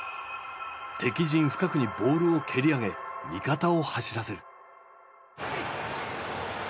敵陣深くにボールを蹴り上げ味方を走らせる。